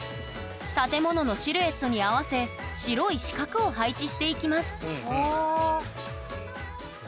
建物のシルエットに合わせ白い四角を配置していきます